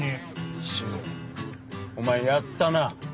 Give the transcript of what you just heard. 柊お前やったな？